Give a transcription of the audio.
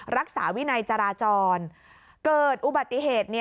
รักษาวินัยจราจรเกิดอุบัติเหตุ